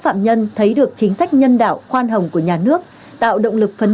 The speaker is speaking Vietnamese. phạm nhân này có ý thức cải tạo tốt tích cực lao động học tập